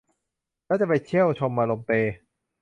แล้วจะไปเที่ยวชมมะลมเต